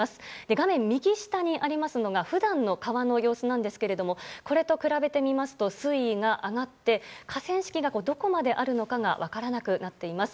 画面右下にありますのが普段の川の様子なんですけどもこれと比べてみますと水位が上がって河川敷がどこまであるのかが分からなくなっています。